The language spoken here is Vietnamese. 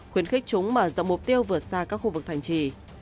khuyến khích chúng mở rộng mục tiêu vượt xa các khu vực thành trì